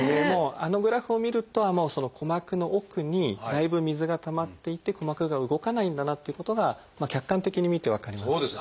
もうあのグラフを見ると鼓膜の奥にだいぶ水がたまっていて鼓膜が動かないんだなっていうことが客観的に見て分かります。